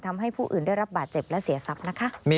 ทำให้ผู้อื่นได้รับบาดเจ็บและเสียทรัพย์นะคะ